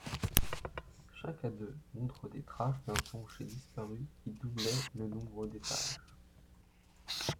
Chacun d'eux montre des traces d'un plancher disparu qui doublait le nombre d'étages.